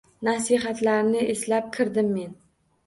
Nasihatlarini eslab kirdim men.